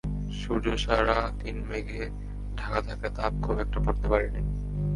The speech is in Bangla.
সূর্য সারা দিন মেঘে ঢেকে থাকায় তাপ খুব একটা পড়তে পারেনি।